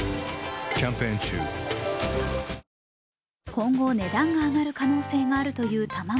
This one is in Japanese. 今後、値段が上がる可能性があるという卵。